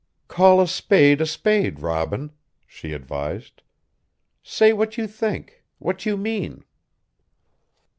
"Call a spade a spade, Robin," she advised. "Say what you think what you mean."